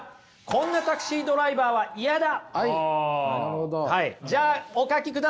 こんなタクシードライバーはイヤだ！